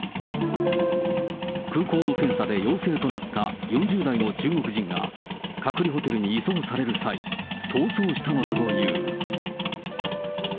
空港の検査で陽性となった４０代の中国人が、隔離ホテルに移送される際、逃走したのだという。